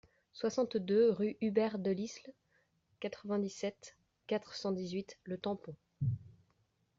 soixante-deux rue Hubert Delisle, quatre-vingt-dix-sept, quatre cent dix-huit, Le Tampon